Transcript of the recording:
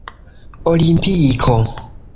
olimpiko